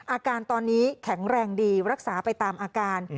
อาการตอนนี้แข็งแรงดีรักษาไปตามอาการ